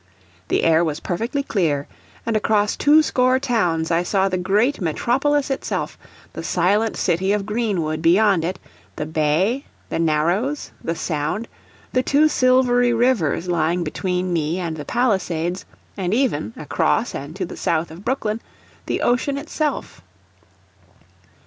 The air was perfectly clear, and across two score towns I saw the great metropolis itself, the silent city of Greenwood beyond it, the bay, the narrows, the sound, the two silvery rivers lying between me and the Palisades, and even, across and to the south of Brooklyn, the ocean itself.